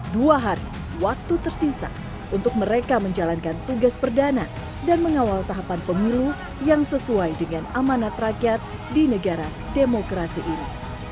dua hari waktu tersisa untuk mereka menjalankan tugas perdana dan mengawal tahapan pemilu yang sesuai dengan amanat rakyat di negara demokrasi ini